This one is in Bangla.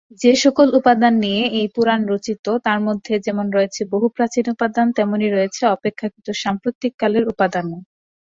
যেসকল উপাদান নিয়ে এই পুরাণ রচিত, তার মধ্যে যেমন রয়েছে বহু প্রাচীন উপাদান, তেমনই রয়েছে অপেক্ষাকৃত সাম্প্রতিক কালের উপাদানও।